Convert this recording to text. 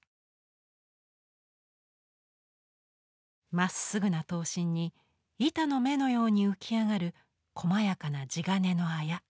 まっすぐな刀身に板の目のように浮き上がるこまやかな地金のあや。